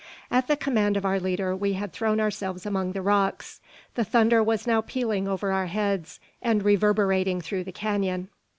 At the command of our leader we had thrown ourselves among the rocks. The thunder was now pealing over our heads, and reverberating through the canon.